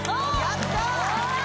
・やった！